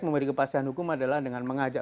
memberi kepastian hukum adalah dengan mengajak